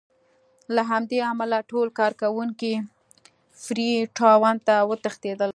له همدې امله ټول کارکوونکي فري ټاون ته وتښتېدل.